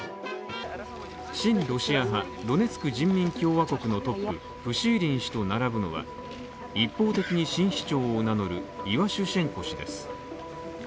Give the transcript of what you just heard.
新ロシア派、ドネツク人民共和国のトッププシーリン氏と並ぶのは一方的に新市長を名乗るイワシュシェンコ氏です。